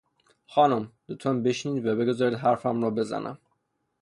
خانم، لطفا بنشینید و بگذارید حرفم را بزنم!